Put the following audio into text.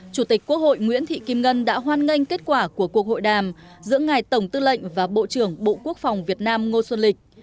chủ tịch quốc hội nguyễn thị kim ngân đã hoan nghênh kết quả của cuộc hội đàm giữa ngài tổng tư lệnh và bộ trưởng bộ quốc phòng việt nam ngô xuân lịch